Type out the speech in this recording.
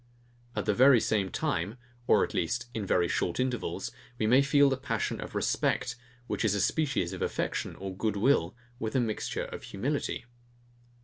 At the very same time, or at least in very short intervals, we may feel the passion of respect, which is a species of affection or good will, with a mixture of humility.